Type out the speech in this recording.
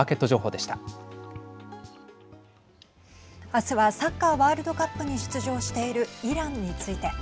明日はサッカーワールドカップに出場しているイランについて。